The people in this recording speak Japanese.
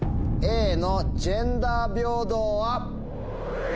Ａの「ジェンダー平等」は？